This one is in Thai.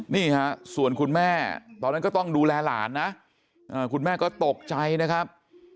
นี่ฮะส่วนคุณแม่ตอนนั้นก็ต้องดูแลหลานนะคุณแม่ก็ตกใจนะครับ